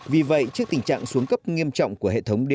vì vậy trước tình trạng xuống cấp nghiêm trọng của hệ thống điện